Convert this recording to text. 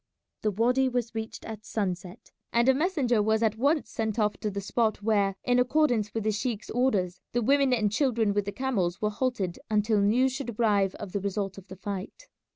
The wady was reached at sunset, and a messenger was at once sent off to the spot where, in accordance with the sheik's orders, the women and children with the camels were halted until news should arrive of the result of the fight.